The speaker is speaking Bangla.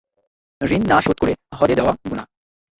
ঋণ না শোধ করে হজ্বে যাওয়া গুনাহ।